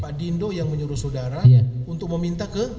pak dindo yang menyuruh saudara untuk meminta ke